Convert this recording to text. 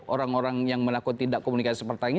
orang orang yang melakukan tindak komunikasi seperti ini